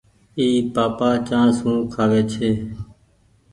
اي پآپآ چآنه سون کآوي ڇي۔